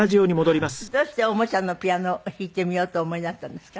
どうしておもちゃのピアノを弾いてみようとお思いになったんですか？